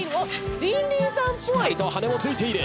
しっかりと羽根も付いている。